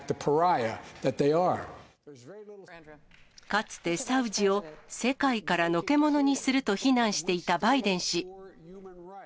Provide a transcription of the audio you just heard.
かつて、サウジを世界からのけ者にすると非難していたバイデン氏。